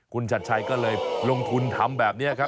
คุณชัดชัยก็เลยลงทุนทำแบบนี้ครับ